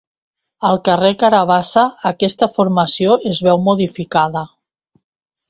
Al carrer Carabassa, aquesta formació es veu modificada.